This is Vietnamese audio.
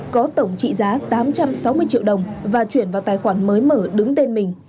có tổng trị giá tám trăm sáu mươi triệu đồng và chuyển vào tài khoản mới mở đứng tên mình